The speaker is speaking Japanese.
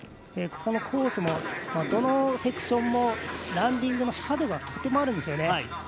このコース、どのセクションもランディングの斜度がとてもあるんですよね。